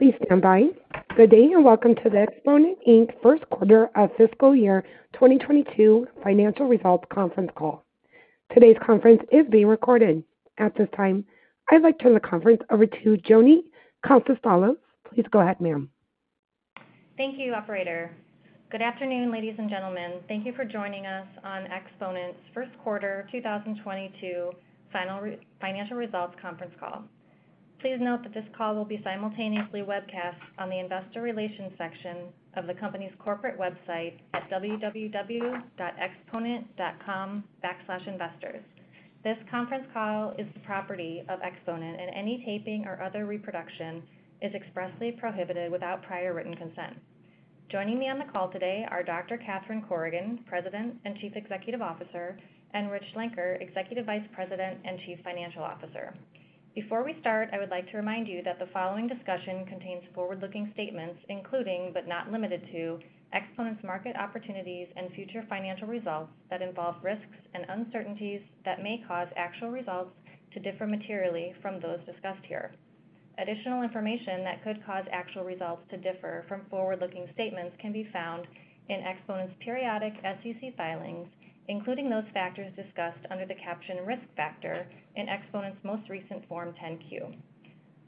Please stand by. Good day, and welcome to the Exponent, Inc. first quarter of fiscal year 2022 financial results conference call. Today's conference is being recorded. At this time, I'd like to turn the conference over to Joni Konstantelos. Please go ahead, ma'am. Thank you, operator. Good afternoon, ladies and gentlemen. Thank you for joining us on Exponent's first quarter 2022 final financial results conference call. Please note that this call will be simultaneously webcast on the investor relations section of the company's corporate website at www.exponent.com/investors. This conference call is the property of Exponent, and any taping or other reproduction is expressly prohibited without prior written consent. Joining me on the call today are Dr. Catherine Corrigan, President and Chief Executive Officer, and Rich Schlenker, Executive Vice President and Chief Financial Officer. Before we start, I would like to remind you that the following discussion contains forward-looking statements, including, but not limited to, Exponent's market opportunities and future financial results that involve risks and uncertainties that may cause actual results to differ materially from those discussed here. Additional information that could cause actual results to differ from forward-looking statements can be found in Exponent's periodic SEC filings, including those factors discussed under the caption Risk Factor in Exponent's most recent Form 10-Q.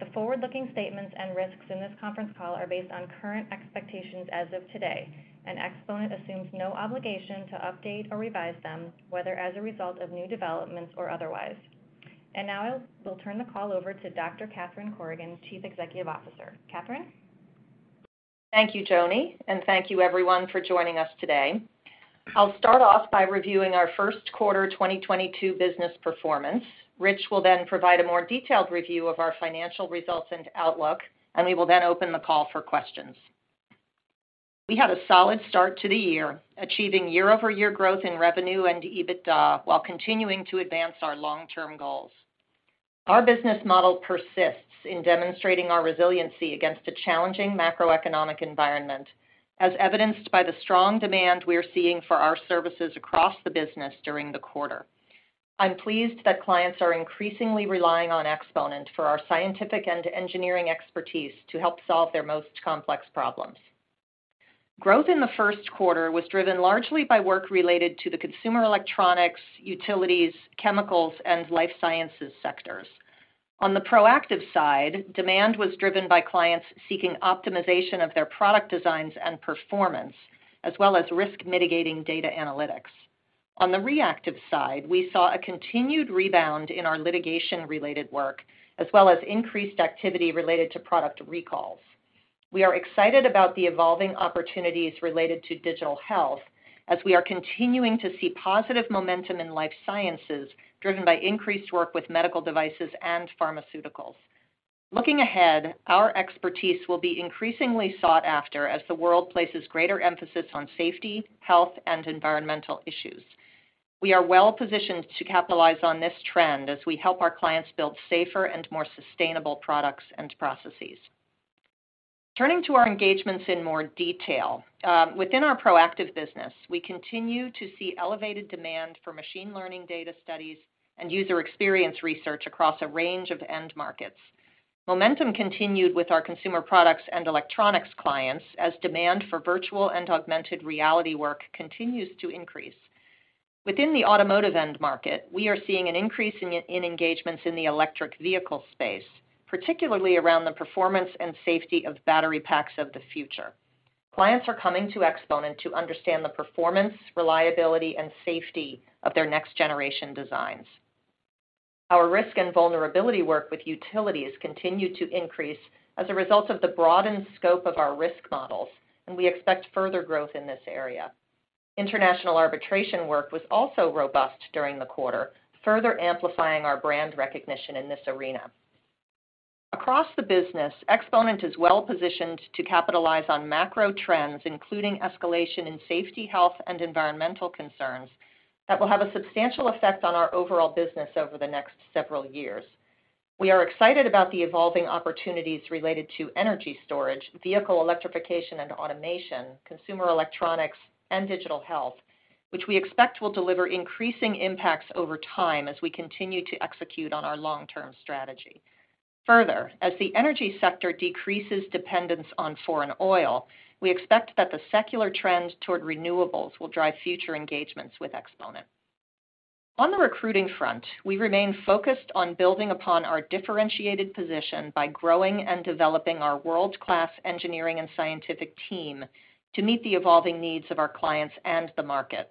The forward-looking statements and risks in this conference call are based on current expectations as of today, and Exponent assumes no obligation to update or revise them, whether as a result of new developments or otherwise. Now I'll turn the call over to Dr. Catherine Corrigan, Chief Executive Officer. Catherine? Thank you, Joni, and thank you everyone for joining us today. I'll start off by reviewing our first quarter 2022 business performance. Rich will then provide a more detailed review of our financial results and outlook, and we will then open the call for questions. We had a solid start to the year, achieving year-over-year growth in revenue and EBITDA while continuing to advance our long-term goals. Our business model persists in demonstrating our resiliency against a challenging macroeconomic environment, as evidenced by the strong demand we're seeing for our services across the business during the quarter. I'm pleased that clients are increasingly relying on Exponent for our scientific and engineering expertise to help solve their most complex problems. Growth in the first quarter was driven largely by work related to the consumer electronics, utilities, chemicals, and life sciences sectors. On the proactive side, demand was driven by clients seeking optimization of their product designs and performance, as well as risk mitigating data analytics. On the reactive side, we saw a continued rebound in our litigation-related work, as well as increased activity related to product recalls. We are excited about the evolving opportunities related to digital health as we are continuing to see positive momentum in life sciences driven by increased work with medical devices and pharmaceuticals. Looking ahead, our expertise will be increasingly sought after as the world places greater emphasis on safety, health, and environmental issues. We are well positioned to capitalize on this trend as we help our clients build safer and more sustainable products and processes. Turning to our engagements in more detail, within our proactive business, we continue to see elevated demand for machine learning data studies and user experience research across a range of end markets. Momentum continued with our consumer products and electronics clients as demand for virtual and augmented reality work continues to increase. Within the automotive end market, we are seeing an increase in engagements in the electric vehicle space, particularly around the performance and safety of battery packs of the future. Clients are coming to Exponent to understand the performance, reliability, and safety of their next generation designs. Our risk and vulnerability work with utilities continued to increase as a result of the broadened scope of our risk models, and we expect further growth in this area. International arbitration work was also robust during the quarter, further amplifying our brand recognition in this arena. Across the business, Exponent is well positioned to capitalize on macro trends, including escalation in safety, health, and environmental concerns that will have a substantial effect on our overall business over the next several years. We are excited about the evolving opportunities related to energy storage, vehicle electrification and automation, consumer electronics, and digital health, which we expect will deliver increasing impacts over time as we continue to execute on our long-term strategy. Further, as the energy sector decreases dependence on foreign oil, we expect that the secular trend toward renewables will drive future engagements with Exponent. On the recruiting front, we remain focused on building upon our differentiated position by growing and developing our world-class engineering and scientific team to meet the evolving needs of our clients and the market.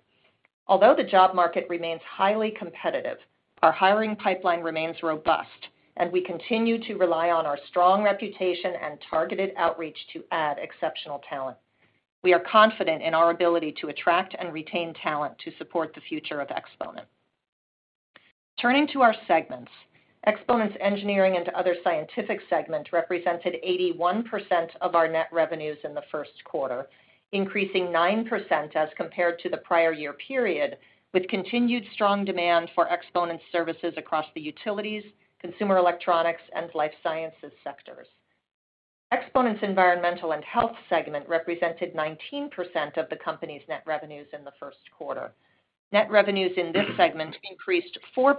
Although the job market remains highly competitive, our hiring pipeline remains robust, and we continue to rely on our strong reputation and targeted outreach to add exceptional talent. We are confident in our ability to attract and retain talent to support the future of Exponent. Turning to our segments, Exponent's engineering and other scientific segment represented 81% of our net revenues in the first quarter, increasing 9% as compared to the prior year period with continued strong demand for Exponent's services across the utilities, consumer electronics, and life sciences sectors. Exponent's environmental and health segment represented 19% of the company's net revenues in the first quarter. Net revenues in this segment increased 4%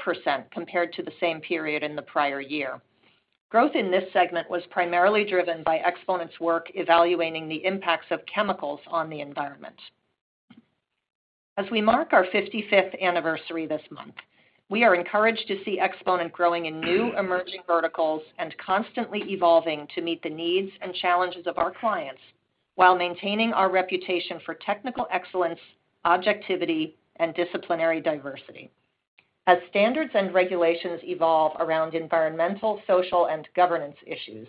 compared to the same period in the prior year. Growth in this segment was primarily driven by Exponent's work evaluating the impacts of chemicals on the environment. As we mark our 55th anniversary this month, we are encouraged to see Exponent growing in new emerging verticals and constantly evolving to meet the needs and challenges of our clients while maintaining our reputation for technical excellence, objectivity, and disciplinary diversity. As standards and regulations evolve around environmental, social, and governance issues,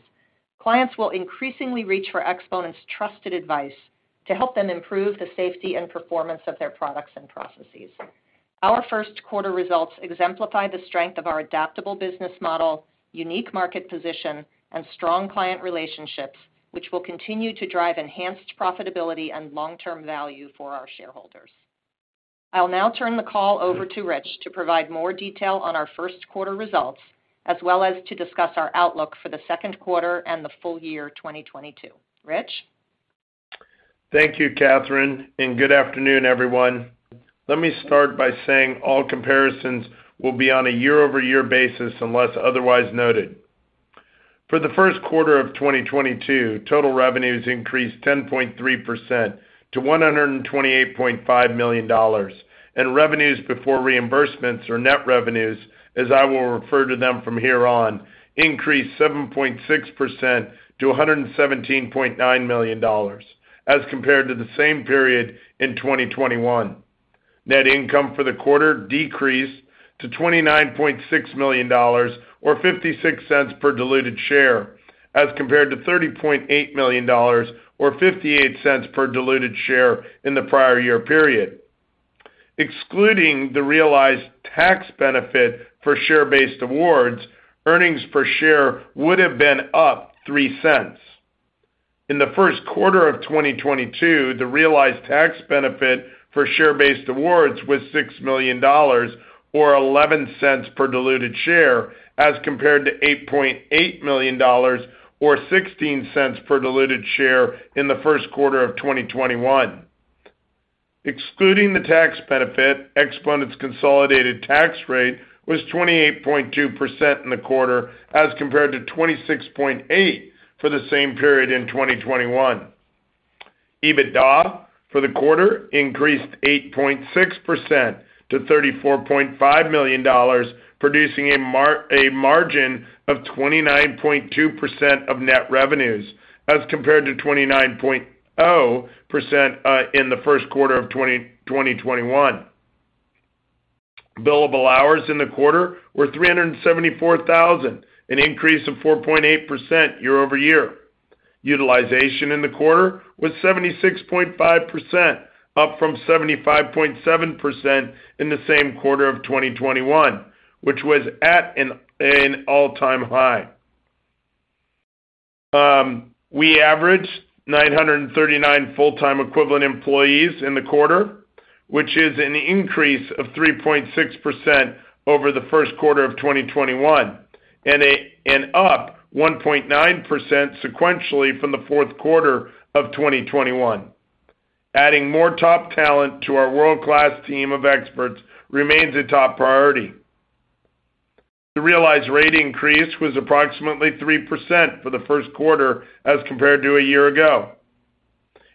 clients will increasingly reach for Exponent's trusted advice to help them improve the safety and performance of their products and processes. Our first quarter results exemplify the strength of our adaptable business model, unique market position, and strong client relationships, which will continue to drive enhanced profitability and long-term value for our shareholders. I'll now turn the call over to Rich to provide more detail on our first quarter results, as well as to discuss our outlook for the second quarter and the full year 2022. Rich. Thank you, Catherine, and good afternoon, everyone. Let me start by saying all comparisons will be on a year-over-year basis unless otherwise noted. For the first quarter of 2022, total revenues increased 10.3% to $128.5 million, and revenues before reimbursements or net revenues, as I will refer to them from here on, increased 7.6% to $117.9 million as compared to the same period in 2021. Net income for the quarter decreased to $29.6 million or $0.56 per diluted share as compared to $30.8 million or $0.58 per diluted share in the prior year period. Excluding the realized tax benefit for share-based awards, earnings per share would have been up $0.03. In the first quarter of 2022, the realized tax benefit for share-based awards was $6 million or $0.11 per diluted share as compared to $8.8 million or $0.16 per diluted share in the first quarter of 2021. Excluding the tax benefit, Exponent's consolidated tax rate was 28.2% in the quarter as compared to 26.8% for the same period in 2021. EBITDA for the quarter increased 8.6% to $34.5 million, producing a margin of 29.2% of net revenues as compared to 29.0% in the first quarter of 2021. Billable hours in the quarter were 374,000, an increase of 4.8% year-over-year. Utilization in the quarter was 76.5%, up from 75.7% in the same quarter of 2021, which was at an all-time high. We averaged 939 full-time equivalent employees in the quarter, which is an increase of 3.6% over the first quarter of 2021 and up 1.9% sequentially from the fourth quarter of 2021. Adding more top talent to our world-class team of experts remains a top priority. The realized rate increase was approximately 3% for the first quarter as compared to a year ago.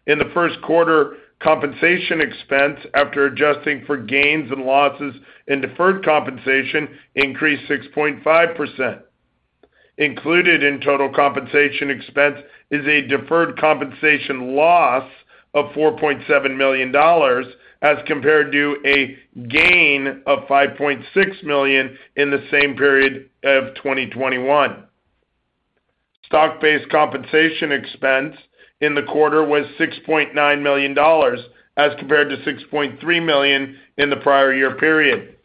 In the first quarter, compensation expense, after adjusting for gains and losses and deferred compensation, increased 6.5%. Included in total compensation expense is a deferred compensation loss of $4.7 million as compared to a gain of $5.6 million in the same period of 2021. Stock-based compensation expense in the quarter was $6.9 million as compared to $6.3 million in the prior year period.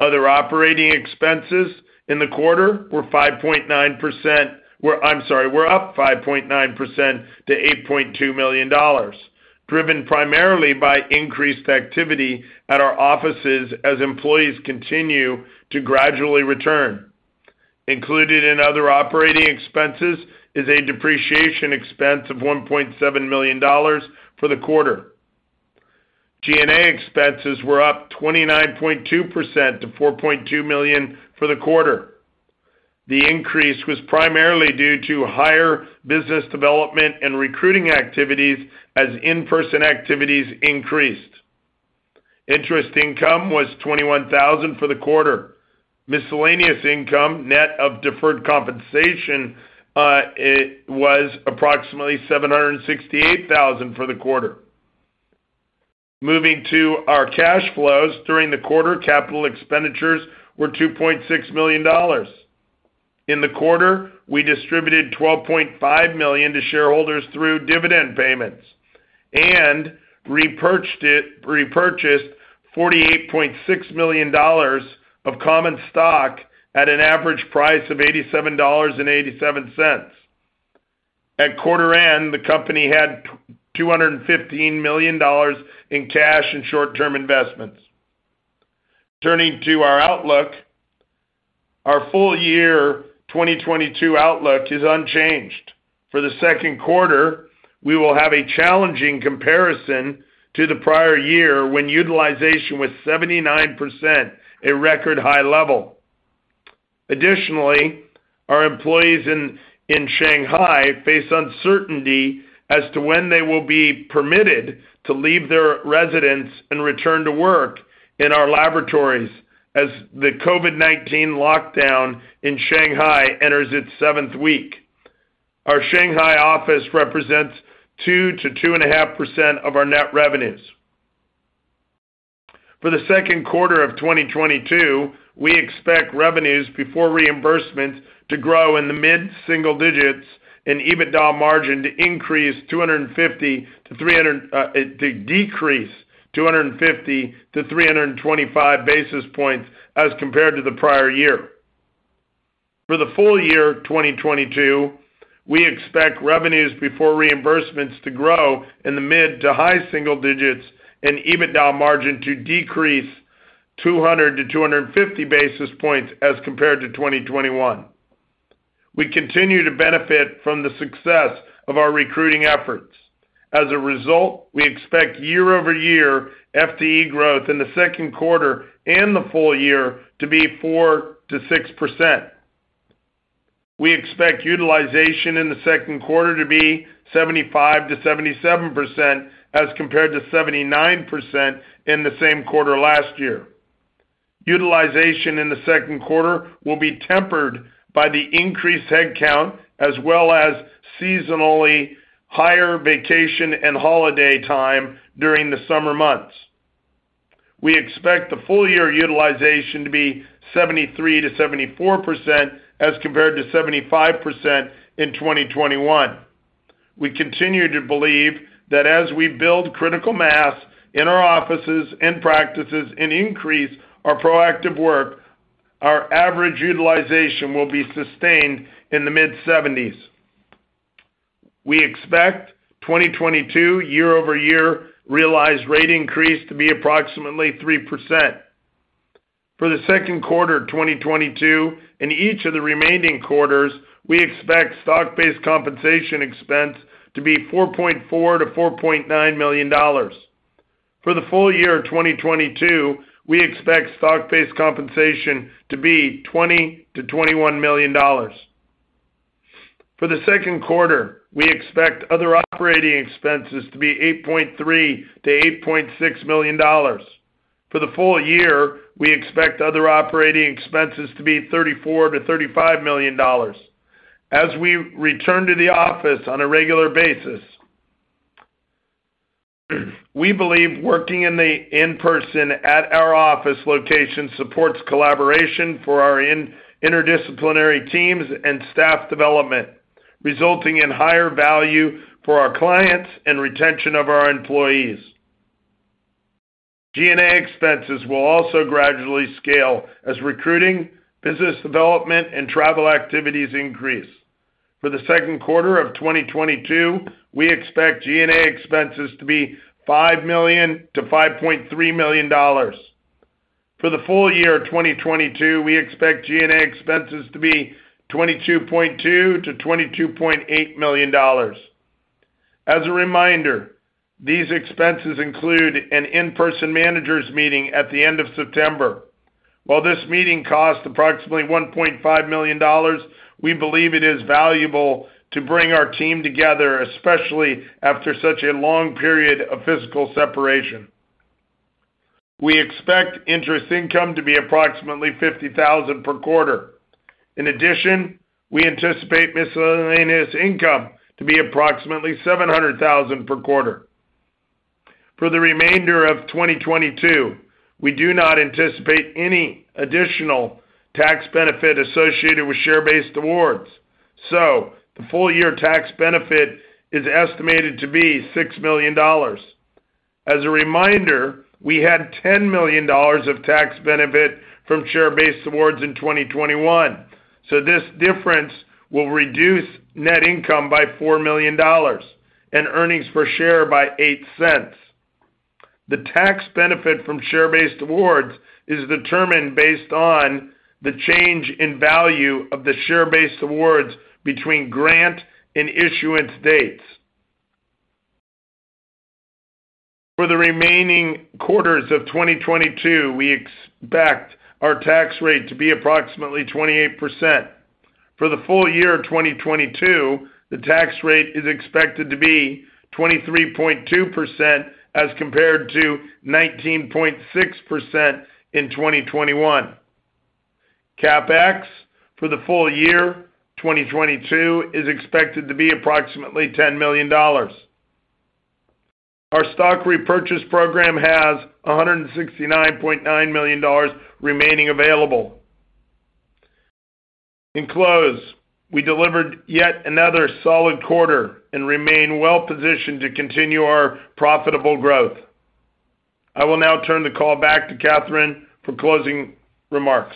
Other operating expenses in the quarter were up 5.9% to $8.2 million, driven primarily by increased activity at our offices as employees continue to gradually return. Included in other operating expenses is a depreciation expense of $1.7 million for the quarter. G&A expenses were up 29.2% to $4.2 million for the quarter. The increase was primarily due to higher business development and recruiting activities as in-person activities increased. Interest income was $21,000 for the quarter. Miscellaneous income, net of deferred compensation, it was approximately $768,000 for the quarter. Moving to our cash flows. During the quarter, capital expenditures were $2.6 million. In the quarter, we distributed $12.5 million to shareholders through dividend payments and repurchased $48.6 million of common stock at an average price of $87.87. At quarter end, the company had $215 million in cash and short-term investments. Turning to our outlook, our full year 2022 outlook is unchanged. For the second quarter, we will have a challenging comparison to the prior year when utilization was 79%, a record high level. Additionally, our employees in Shanghai face uncertainty as to when they will be permitted to leave their residence and return to work in our laboratories as the COVID-19 lockdown in Shanghai enters its 7th week. Our Shanghai office represents 2%-2.5% of our net revenues. For the second quarter of 2022, we expect revenues before reimbursement to grow in the mid-single digits and EBITDA margin to decrease 250-325 basis points as compared to the prior year. For the full year of 2022, we expect revenues before reimbursements to grow in the mid to high single digits and EBITDA margin to decrease 200-250 basis points as compared to 2021. We continue to benefit from the success of our recruiting efforts. As a result, we expect year-over-year FTE growth in the second quarter and the full year to be 4%-6%. We expect utilization in the second quarter to be 75%-77% as compared to 79% in the same quarter last year. Utilization in the second quarter will be tempered by the increased headcount as well as seasonally higher vacation and holiday time during the summer months. We expect the full year utilization to be 73%-74% as compared to 75% in 2021. We continue to believe that as we build critical mass in our offices and practices and increase our proactive work, our average utilization will be sustained in the mid-70s. We expect 2022 year-over-year realized rate increase to be approximately 3%. For the second quarter of 2022 and each of the remaining quarters, we expect stock-based compensation expense to be $4.4 million-$4.9 million. For the full year of 2022, we expect stock-based compensation to be $20 million-$21 million. For the second quarter, we expect other operating expenses to be $8.3 million-$8.6 million. For the full year, we expect other operating expenses to be $34 million-$35 million. As we return to the office on a regular basis, we believe working in person at our office location supports collaboration for our interdisciplinary teams and staff development, resulting in higher value for our clients and retention of our employees. G&A expenses will also gradually scale as recruiting, business development, and travel activities increase. For the second quarter of 2022, we expect G&A expenses to be $5 million-$5.3 million. For the full year of 2022, we expect G&A expenses to be $22.2 million-$22.8 million. As a reminder, these expenses include an in-person managers meeting at the end of September. While this meeting costs approximately $1.5 million, we believe it is valuable to bring our team together, especially after such a long period of physical separation. We expect interest income to be approximately $50,000 per quarter. In addition, we anticipate miscellaneous income to be approximately $700,000 per quarter. For the remainder of 2022, we do not anticipate any additional tax benefit associated with share-based awards. The full year tax benefit is estimated to be $6 million. As a reminder, we had $10 million of tax benefit from share-based awards in 2021. This difference will reduce net income by $4 million and earnings per share by $0.08. The tax benefit from share-based awards is determined based on the change in value of the share-based awards between grant and issuance dates. For the remaining quarters of 2022, we expect our tax rate to be approximately 28%. For the full year of 2022, the tax rate is expected to be 23.2% as compared to 19.6% in 2021. CapEx for the full year of 2022 is expected to be approximately $10 million. Our stock repurchase program has $169.9 million remaining available. In closing, we delivered yet another solid quarter and remain well-positioned to continue our profitable growth. I will now turn the call back to Catherine for closing remarks.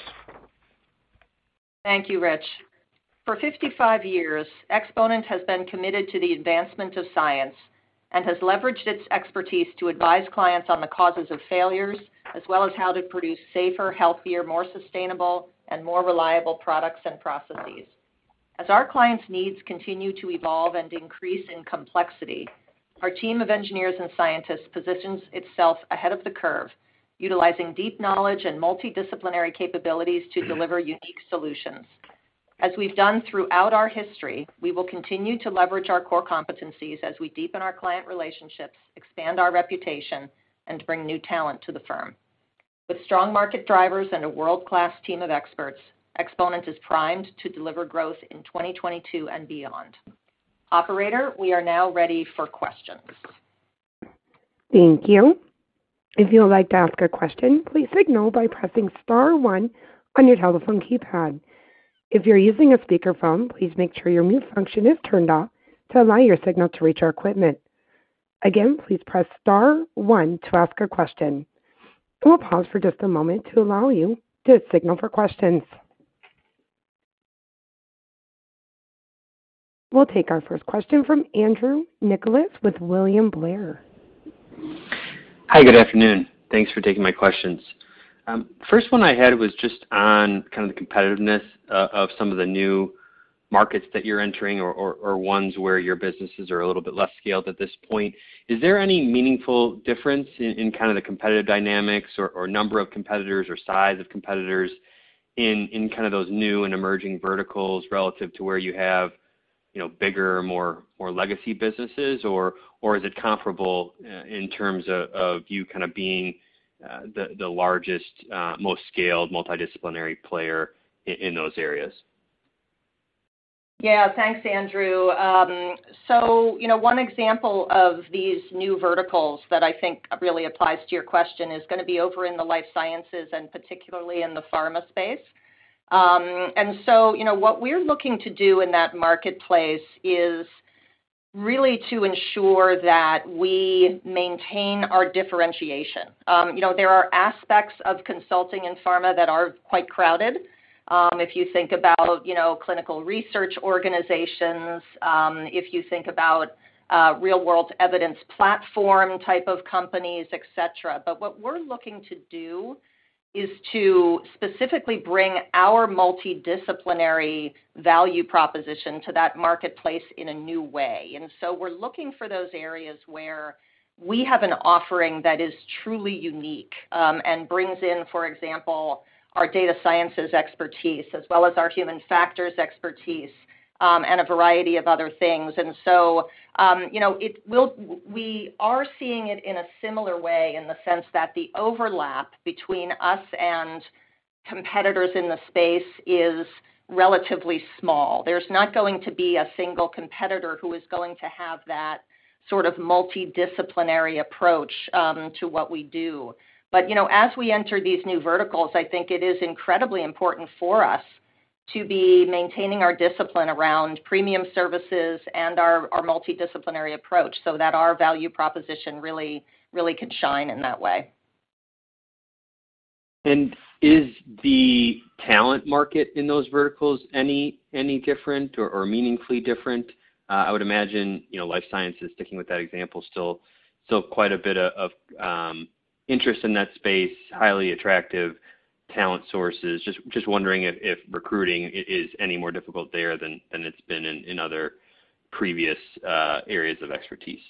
Thank you, Rich. For 55 years, Exponent has been committed to the advancement of science and has leveraged its expertise to advise clients on the causes of failures, as well as how to produce safer, healthier, more sustainable and more reliable products and processes. As our clients' needs continue to evolve and increase in complexity, our team of engineers and scientists positions itself ahead of the curve, utilizing deep knowledge and multidisciplinary capabilities to deliver unique solutions. As we've done throughout our history, we will continue to leverage our core competencies as we deepen our client relationships, expand our reputation, and bring new talent to the firm. With strong market drivers and a world-class team of experts, Exponent is primed to deliver growth in 2022 and beyond. Operator, we are now ready for questions. Thank you. If you would like to ask a question, please signal by pressing star one on your telephone keypad. If you're using a speakerphone, please make sure your mute function is turned off to allow your signal to reach our equipment. Again, please press star one to ask a question. We'll pause for just a moment to allow you to signal for questions. We'll take our first question from Andrew Nicholas with William Blair. Hi, good afternoon. Thanks for taking my questions. First one I had was just on kind of the competitiveness of some of the new markets that you're entering or ones where your businesses are a little bit less scaled at this point. Is there any meaningful difference in kind of the competitive dynamics or number of competitors or size of competitors in kind of those new and emerging verticals relative to where you have you know bigger more legacy businesses? Or is it comparable in terms of you kind of being the largest most scaled multidisciplinary player in those areas? Yeah. Thanks, Andrew. You know, one example of these new verticals that I think really applies to your question is gonna be over in the life sciences and particularly in the pharma space. You know, what we're looking to do in that marketplace is really to ensure that we maintain our differentiation. You know, there are aspects of consulting in pharma that are quite crowded. If you think about, you know, clinical research organizations, if you think about real world evidence platform type of companies, et cetera. What we're looking to do is to specifically bring our multidisciplinary value proposition to that marketplace in a new way. We're looking for those areas where we have an offering that is truly unique, and brings in, for example, our data sciences expertise as well as our human factors expertise, and a variety of other things. You know, we are seeing it in a similar way in the sense that the overlap between us and competitors in the space is relatively small. There's not going to be a single competitor who is going to have that sort of multidisciplinary approach to what we do. You know, as we enter these new verticals, I think it is incredibly important for us to be maintaining our discipline around premium services and our multidisciplinary approach so that our value proposition really, really can shine in that way. Is the talent market in those verticals any different or meaningfully different? I would imagine, you know, life sciences, sticking with that example, still quite a bit of interest in that space, highly attractive talent sources. Just wondering if recruiting is any more difficult there than it's been in other previous areas of expertise.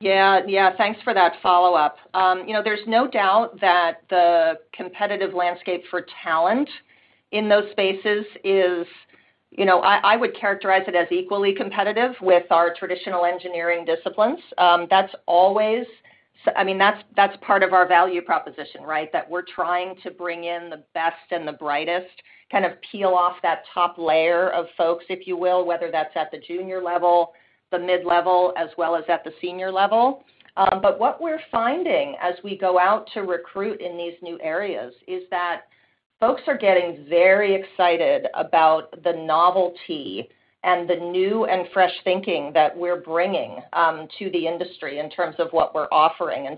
Yeah. Yeah. Thanks for that follow-up. You know, there's no doubt that the competitive landscape for talent in those spaces is, you know, I would characterize it as equally competitive with our traditional engineering disciplines. That's always. I mean, that's part of our value proposition, right? That we're trying to bring in the best and the brightest, kind of peel off that top layer of folks, if you will, whether that's at the junior level, the mid-level, as well as at the senior level. What we're finding as we go out to recruit in these new areas is that folks are getting very excited about the novelty and the new and fresh thinking that we're bringing to the industry in terms of what we're offering.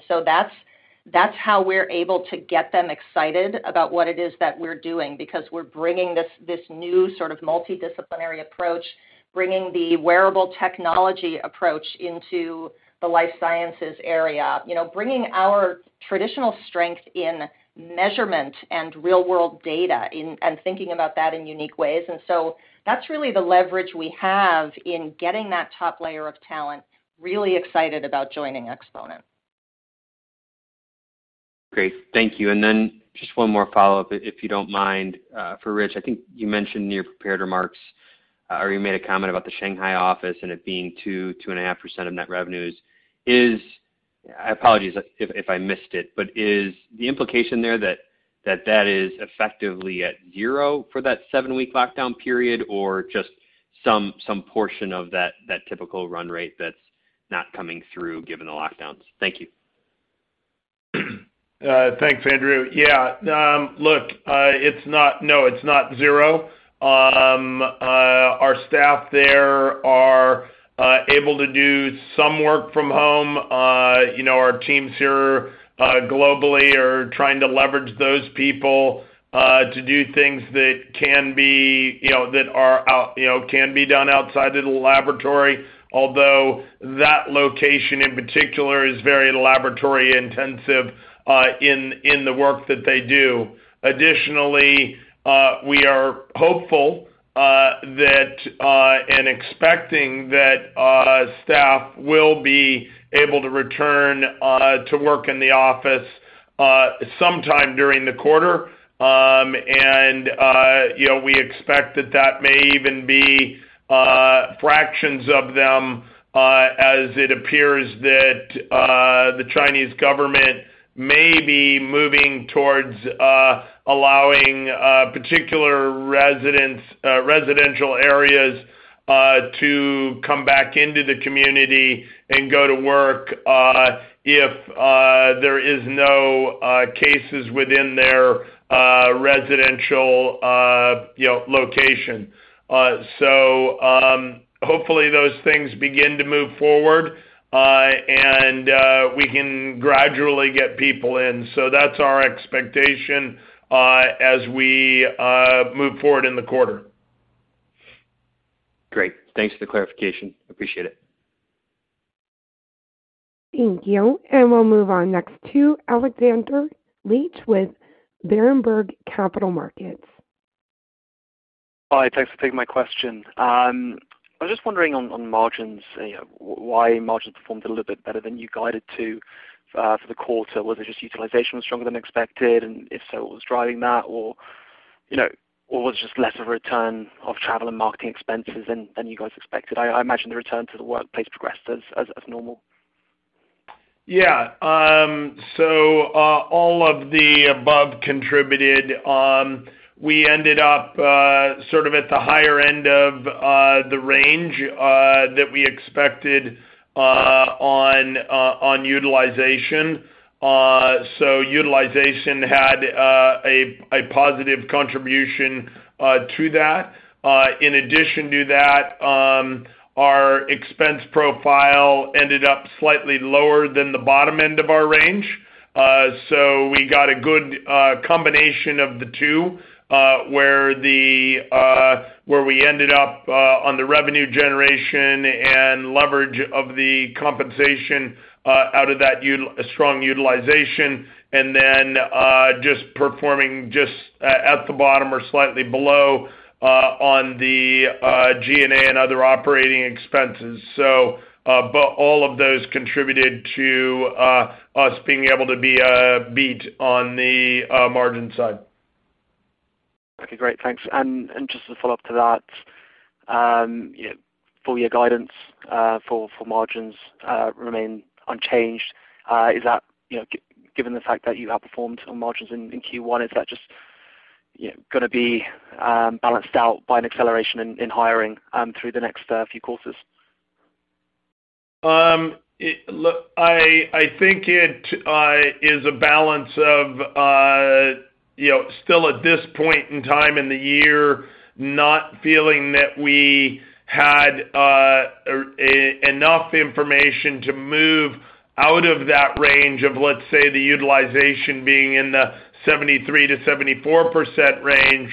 That's how we're able to get them excited about what it is that we're doing because we're bringing this new sort of multidisciplinary approach, bringing the wearable technology approach into the life sciences area. You know, bringing our traditional strength in measurement and real-world data in and thinking about that in unique ways. That's really the leverage we have in getting that top layer of talent really excited about joining Exponent. Great. Thank you. Then just one more follow-up, if you don't mind, for Rich. I think you mentioned in your prepared remarks or you made a comment about the Shanghai office and it being 2.5% of net revenues. Apologies if I missed it, but is the implication there that that is effectively at zero for that seven-week lockdown period or just some portion of that typical run rate that's not coming through given the lockdowns? Thank you. Thanks, Andrew. Yeah. Look, no, it's not zero. Our staff there. Able to do some work from home. You know, our teams here globally are trying to leverage those people to do things that can be, you know, that are out, you know, can be done outside of the laboratory. Although that location in particular is very laboratory intensive in the work that they do. Additionally, we are hopeful that and expecting that staff will be able to return to work in the office sometime during the quarter. You know, we expect that may even be fractions of them as it appears that the Chinese government may be moving towards allowing particular residential areas to come back into the community and go to work if there is no cases within their residential you know location. Hopefully those things begin to move forward and we can gradually get people in. That's our expectation as we move forward in the quarter. Great. Thanks for the clarification. Appreciate it. Thank you. We'll move on next to Alexander Leach with Berenberg Capital Markets. Hi, thanks for taking my question. I was just wondering on margins, you know, why margins performed a little bit better than you guided to for the quarter. Was it just utilization was stronger than expected? If so, what was driving that or, you know, or was it just less of a return of travel and marketing expenses than you guys expected? I imagine the return to the workplace progressed as normal. Yeah. All of the above contributed. We ended up sort of at the higher end of the range that we expected on utilization. Utilization had a positive contribution to that. In addition to that, our expense profile ended up slightly lower than the bottom end of our range. We got a good combination of the two, where we ended up on the revenue generation and leverage of the compensation out of that strong utilization and then just performing at the bottom or slightly below on the G&A and other operating expenses. All of those contributed to us being able to beat on the margin side. Okay, great. Thanks. Just to follow up to that, you know, full year guidance for margins remain unchanged. Is that, you know, given the fact that you outperformed on margins in Q1, is that just, you know, gonna be balanced out by an acceleration in hiring through the next few quarters? I think it is a balance of, you know, still at this point in time in the year, not feeling that we had enough information to move out of that range of, let's say, the utilization being in the 73%-74% range,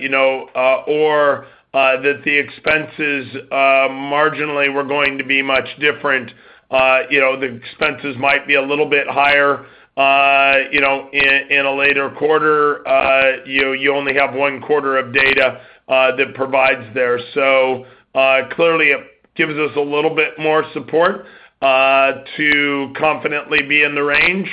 you know, or that the expenses marginally were going to be much different. You know, the expenses might be a little bit higher, you know, in a later quarter. You know, you only have one quarter of data that provides there. Clearly it gives us a little bit more support to confidently be in the range.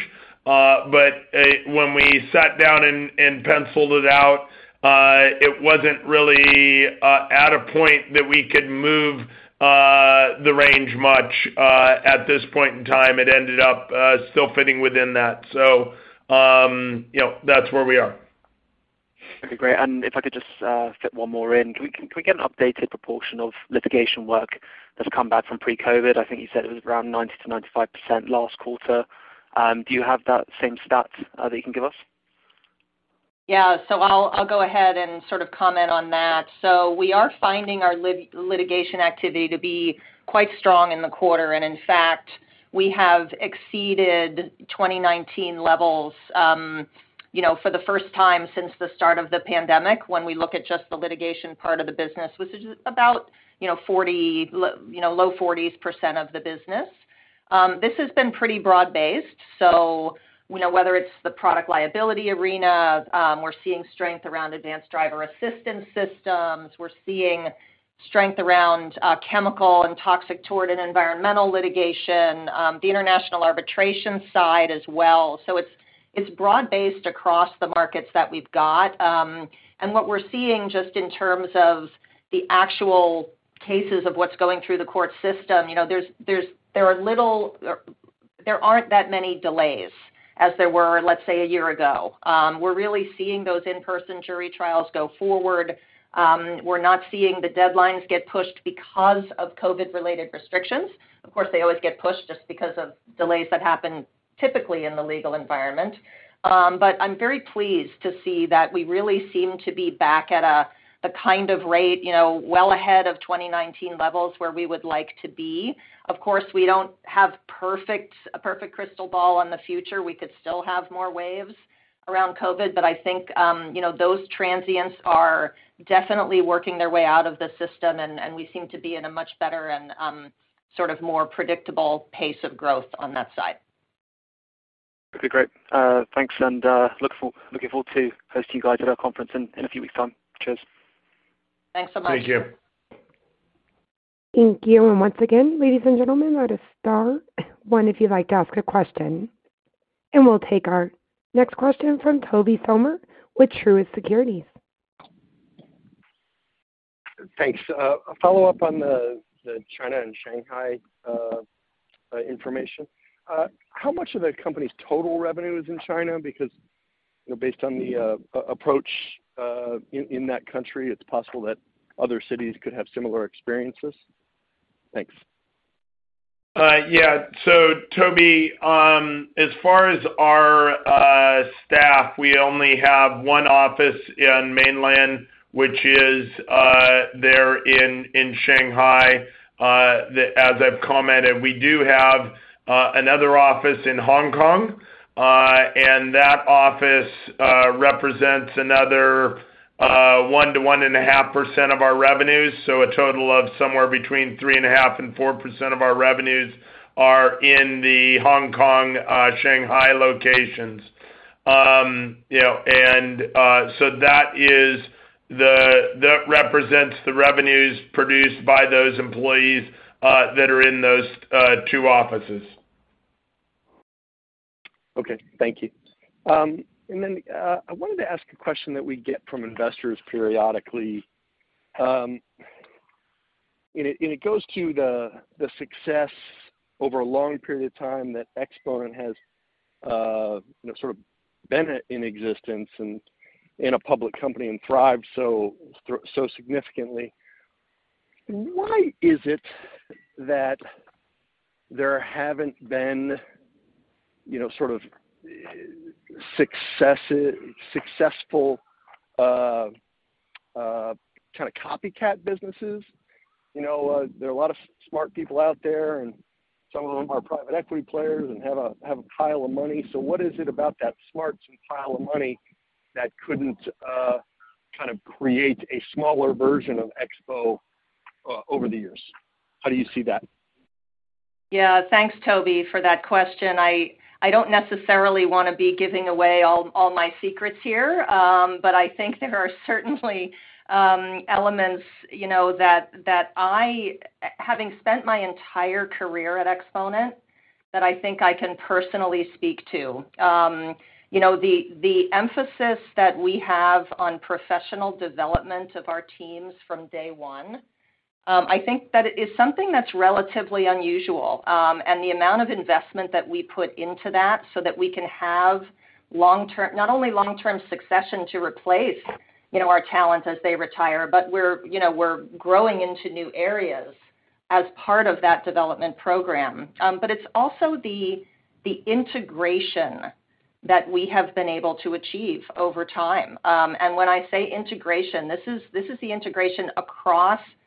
When we sat down and penciled it out, it wasn't really at a point that we could move the range much at this point in time. It ended up still fitting within that. You know, that's where we are. Okay, great. If I could just fit one more in. Can we get an updated proportion of litigation work that's come back from pre-COVID? I think you said it was around 90%-95% last quarter. Do you have that same stat that you can give us? Yeah. I'll go ahead and sort of comment on that. We are finding our litigation activity to be quite strong in the quarter. In fact, we have exceeded 2019 levels, you know, for the first time since the start of the pandemic when we look at just the litigation part of the business, which is about, you know, low 40% of the business. This has been pretty broad-based. You know, whether it's the product liability arena, we're seeing strength around advanced driver assistance systems. We're seeing strength around chemical and toxic tort and environmental litigation, the international arbitration side as well. It's broad-based across the markets that we've got. What we're seeing just in terms of the actual cases of what's going through the court system, you know, there aren't that many delays as there were, let's say, a year ago. We're really seeing those in-person jury trials go forward. We're not seeing the deadlines get pushed because of COVID-related restrictions. Of course, they always get pushed just because of delays that happen typically in the legal environment. I'm very pleased to see that we really seem to be back at a kind of rate, you know, well ahead of 2019 levels where we would like to be. Of course, we don't have a perfect crystal ball on the future. We could still have more waves around COVID, but I think, you know, those transients are definitely working their way out of the system, and we seem to be in a much better and, sort of more predictable pace of growth on that side. Okay, great. Thanks, and looking forward to hosting you guys at our conference in a few weeks' time. Cheers. Thanks so much. Thank you. Thank you. Once again, ladies and gentlemen, press star one if you'd like to ask a question. We'll take our next question from Tobey Sommer with Truist Securities. Thanks. A follow-up on the China and Shanghai information. How much of the company's total revenue is in China? Because, you know, based on the approach in that country, it's possible that other cities could have similar experiences. Thanks. Yeah. Tobey, as far as our staff, we only have one office in Mainland, which is there in Shanghai. As I've commented, we do have another office in Hong Kong, and that office represents another 1%-1.5% of our revenues. A total of somewhere between 3.5% and 4% of our revenues are in the Hong Kong Shanghai locations. You know, that represents the revenues produced by those employees that are in those two offices. Okay. Thank you. I wanted to ask a question that we get from investors periodically. It goes to the success over a long period of time that Exponent has, you know, sort of been in existence and a public company and thrived so significantly. Why is it that there haven't been, you know, sort of, successful kind of copycat businesses? You know, there are a lot of smart people out there, and some of them are private equity players and have a pile of money. What is it about that smarts and pile of money that couldn't kind of create a smaller version of Exponent over the years? How do you see that? Yeah. Thanks, Tobey, for that question. I don't necessarily wanna be giving away all my secrets here, but I think there are certainly elements, you know, that I having spent my entire career at Exponent, that I think I can personally speak to. You know, the emphasis that we have on professional development of our teams from day one, I think that it is something that's relatively unusual, and the amount of investment that we put into that so that we can have not only long-term succession to replace, you know, our talent as they retire, but we're growing into new areas as part of that development program. But it's also the integration that we have been able to achieve over time. When I say integration, this is the integration across disciplines.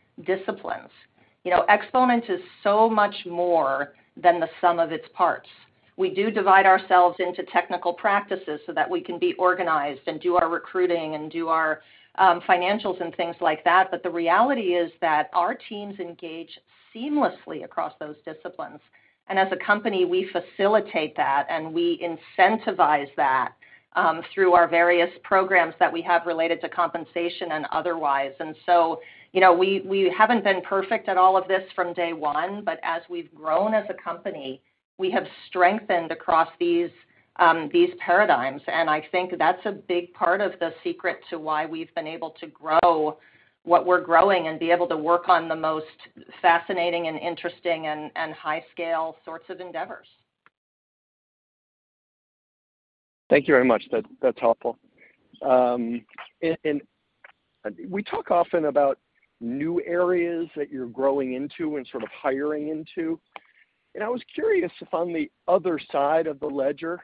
You know, Exponent is so much more than the sum of its parts. We do divide ourselves into technical practices so that we can be organized and do our recruiting and do our financials and things like that. But the reality is that our teams engage seamlessly across those disciplines. As a company, we facilitate that, and we incentivize that through our various programs that we have related to compensation and otherwise. You know, we haven't been perfect at all of this from day one, but as we've grown as a company, we have strengthened across these paradigms. I think that's a big part of the secret to why we've been able to grow what we're growing and be able to work on the most fascinating and interesting and high-scale sorts of endeavors. Thank you very much. That's helpful. We talk often about new areas that you're growing into and sort of hiring into. I was curious if on the other side of the ledger,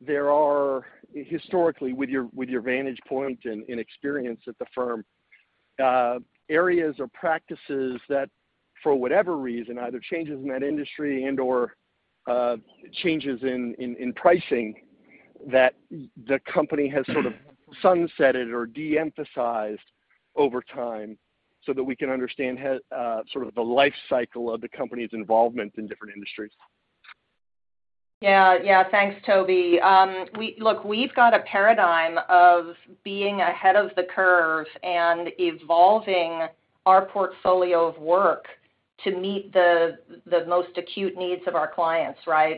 there are historically with your vantage point and experience at the firm, areas or practices that for whatever reason, either changes in that industry and/or, changes in pricing that the company has sort of sunsetted or de-emphasized over time so that we can understand, sort of the life cycle of the company's involvement in different industries. Yeah. Yeah. Thanks, Tobey. Look, we've got a paradigm of being ahead of the curve and evolving our portfolio of work to meet the most acute needs of our clients, right?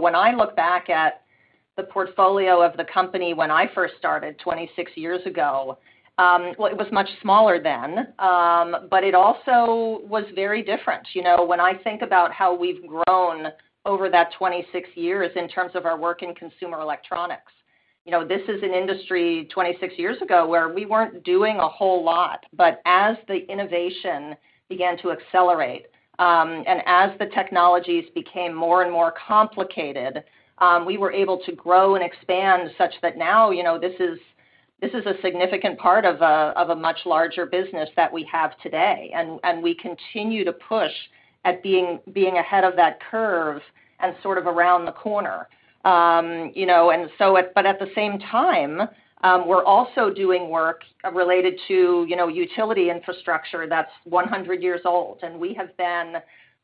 When I look back at the portfolio of the company when I first started 26 years ago, well, it was much smaller then, but it also was very different. You know, when I think about how we've grown over that 26 years in terms of our work in consumer electronics, you know, this is an industry 26 years ago where we weren't doing a whole lot. As the innovation began to accelerate, and as the technologies became more and more complicated, we were able to grow and expand such that now, you know, this is a significant part of a much larger business that we have today. We continue to push at being ahead of that curve and sort of around the corner. You know, but at the same time, we're also doing work related to, you know, utility infrastructure that's 100 years old, and we have been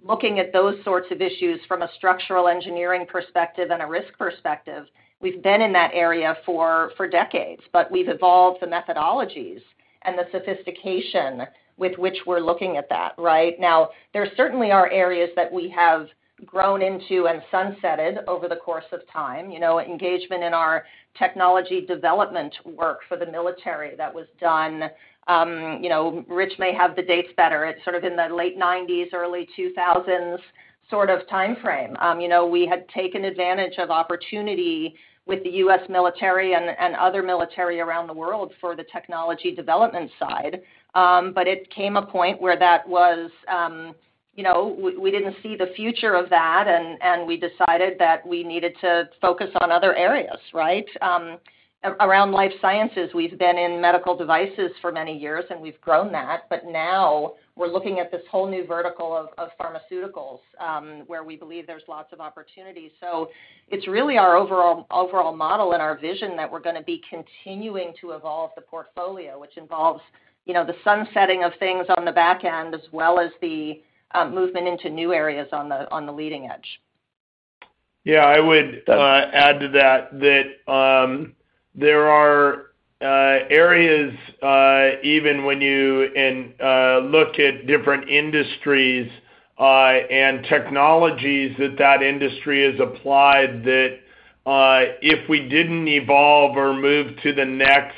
looking at those sorts of issues from a structural engineering perspective and a risk perspective. We've been in that area for decades, but we've evolved the methodologies and the sophistication with which we're looking at that right now. There certainly are areas that we have grown into and sunsetted over the course of time. You know, engagement in our technology development work for the military that was done, you know, Rich may have the dates better. It's sort of in the late 1990s, early 2000s sort of timeframe. You know, we had taken advantage of opportunity with the U.S. military and other military around the world for the technology development side. It came to a point where that was, you know, we didn't see the future of that and we decided that we needed to focus on other areas, right? Around life sciences, we've been in medical devices for many years, and we've grown that, but now we're looking at this whole new vertical of pharmaceuticals, where we believe there's lots of opportunities. It's really our overall model and our vision that we're gonna be continuing to evolve the portfolio, which involves, you know, the sunsetting of things on the back end as well as the movement into new areas on the leading edge. Yeah. I would add to that there are areas even when you look at different industries and technologies that that industry has applied, that if we didn't evolve or move to the next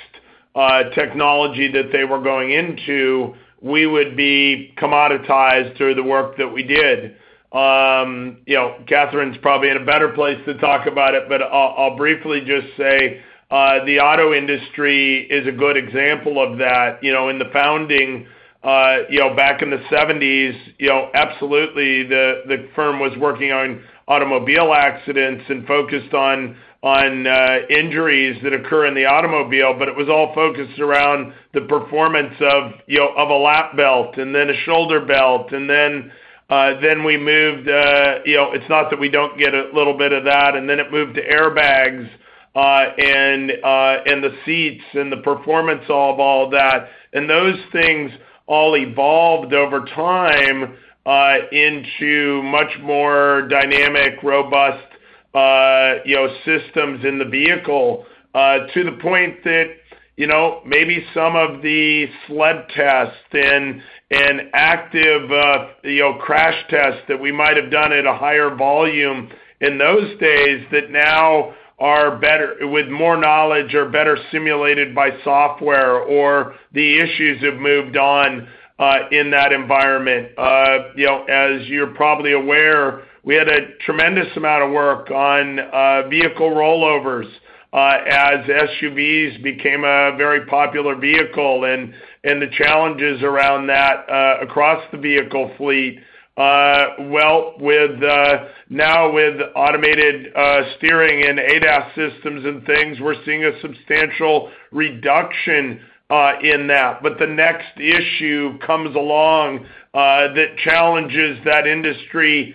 technology that they were going into, we would be commoditized through the work that we did. You know, Catherine's probably in a better place to talk about it, but I'll briefly just say the auto industry is a good example of that. You know, in the founding you know back in the seventies you know absolutely the firm was working on automobile accidents and focused on injuries that occur in the automobile, but it was all focused around the performance of you know of a lap belt and then a shoulder belt. We moved, you know, it's not that we don't get a little bit of that. Then it moved to airbags, and the seats and the performance of all of that. Those things all evolved over time into much more dynamic, robust, you know, systems in the vehicle to the point that, you know, maybe some of the sled tests and active, you know, crash tests that we might have done at a higher volume in those days that now are better with more knowledge or better simulated by software or the issues have moved on in that environment. You know, as you're probably aware, we had a tremendous amount of work on vehicle rollovers, as SUVs became a very popular vehicle and the challenges around that, across the vehicle fleet. Well, now with automated steering and ADAS systems and things, we're seeing a substantial reduction in that. The next issue comes along that challenges that industry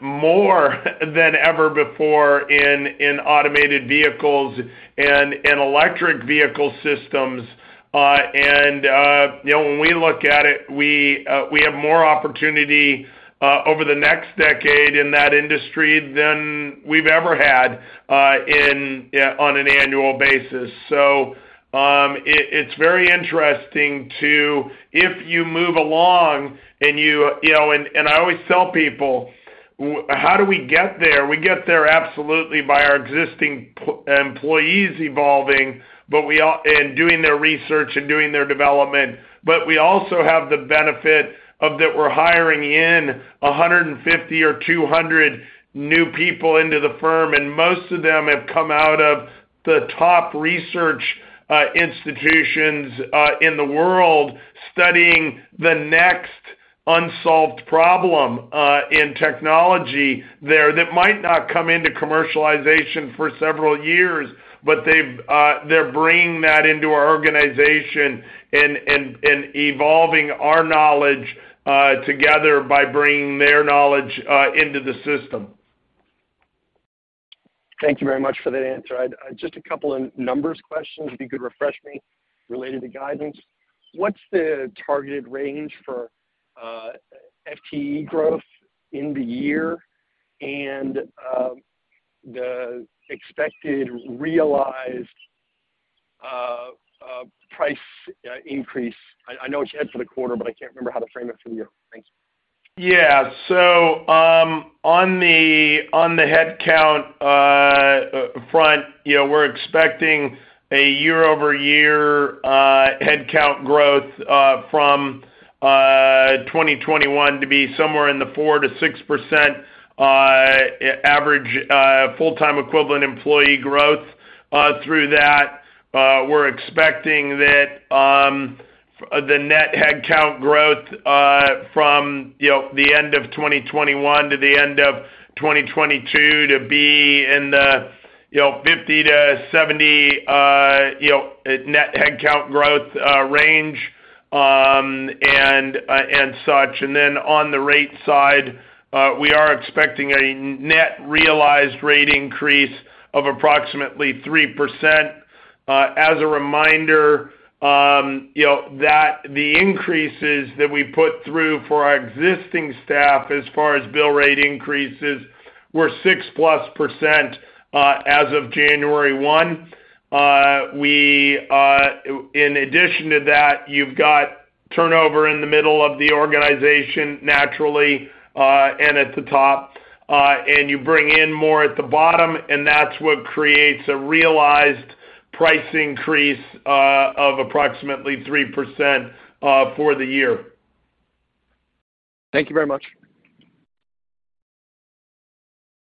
more than ever before in automated vehicles and in electric vehicle systems. You know, when we look at it, we have more opportunity over the next decade in that industry than we've ever had on an annual basis. It's very interesting too, if you move along and you know and I always tell people, how do we get there? We get there absolutely by our existing employees evolving and doing their research and doing their development. We also have the benefit of that we're hiring in 150 or 200 new people into the firm, and most of them have come out of the top research institutions in the world studying the next unsolved problem in technology there that might not come into commercialization for several years, but they're bringing that into our organization and evolving our knowledge together by bringing their knowledge into the system. Thank you very much for that answer. I'd just a couple of numbers questions, if you could refresh me related to guidance. What's the targeted range for FTE growth in the year and the expected realized price increase. I know what you had for the quarter, but I can't remember how to frame it for the year. Thanks. Yeah. On the headcount front, you know, we're expecting a year-over-year headcount growth from 2021 to be somewhere in the 4%-6% average full-time equivalent employee growth. Through that, we're expecting that the net headcount growth from, you know, the end of 2021 to the end of 2022 to be in the, you know, 50-70 net headcount growth range, and such. On the rate side, we are expecting a net realized rate increase of approximately 3%. As a reminder, you know, that the increases that we put through for our existing staff as far as bill rate increases were 6%+ as of January 1. In addition to that, you've got turnover in the middle of the organization naturally, and at the top, and you bring in more at the bottom, and that's what creates a realized price increase of approximately 3% for the year. Thank you very much.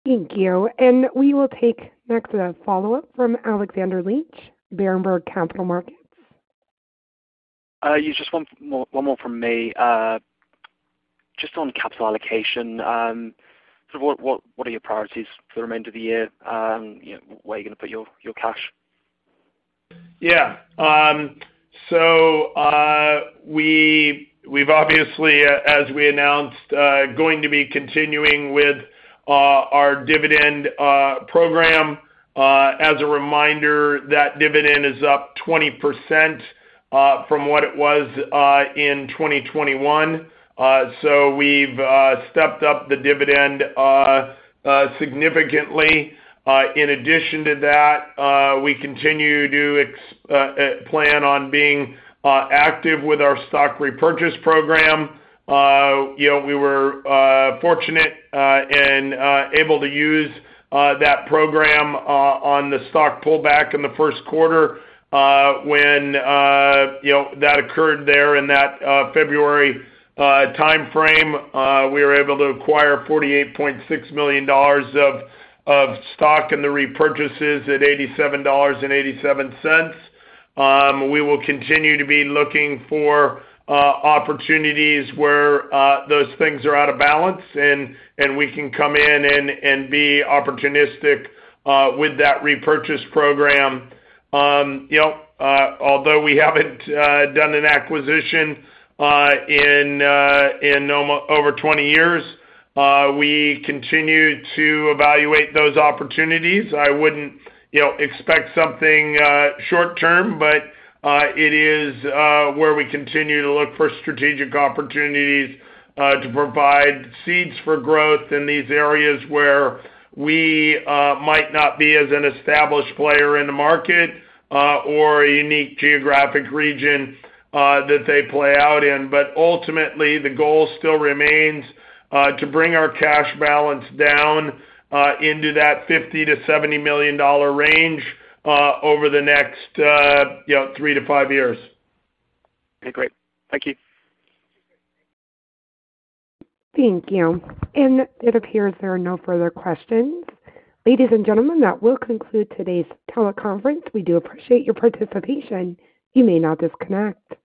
Thank you. We will take next a follow-up from Alexander Leach, Berenberg Capital Markets. Yes, just one more from me. Just on capital allocation, sort of what are your priorities for the remainder of the year? You know, where are you gonna put your cash? Yeah. We've obviously, as we announced, going to be continuing with our dividend program. As a reminder, that dividend is up 20% from what it was in 2021. We've stepped up the dividend significantly. In addition to that, we continue to plan on being active with our stock repurchase program. You know, we were fortunate and able to use that program on the stock pullback in the first quarter, when you know, that occurred there in that February timeframe. We were able to acquire $48.6 million of stock in the repurchases at $87.87. We will continue to be looking for opportunities where those things are out of balance and we can come in and be opportunistic with that repurchase program. You know, although we haven't done an acquisition in over 20 years, we continue to evaluate those opportunities. I wouldn't you know expect something short term, but it is where we continue to look for strategic opportunities to provide seeds for growth in these areas where we might not be as an established player in the market or a unique geographic region that they play out in. Ultimately, the goal still remains to bring our cash balance down into that $50-$70 million range over the next you know three - five years. Okay, great. Thank you. Thank you. It appears there are no further questions. Ladies and gentlemen, that will conclude today's teleconference. We do appreciate your participation. You may now disconnect.